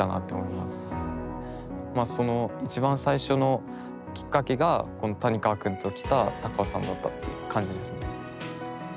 まあその一番最初のきっかけが谷川君と来た高尾山だったっていう感じですね。